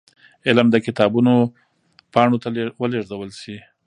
علم د کتابونو پاڼو ته ولېږدول شي.